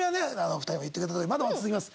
２人も言ってくれたとおりまだまだ続きます。